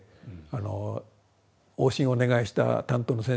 往診をお願いした担当の先生の死亡診断